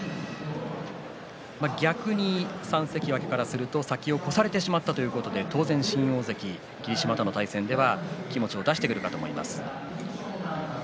逆に３関脇からすると先を越されてしまったということで当然、新大関霧島との対戦では気持ちを出してくると思います。